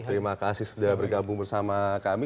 terima kasih sudah bergabung bersama kami